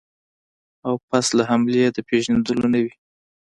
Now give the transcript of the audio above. او پس له حملې د پېژندلو نه وي.